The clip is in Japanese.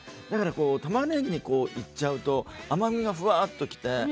だからたまねぎにいっちゃうと甘味がふわっときて。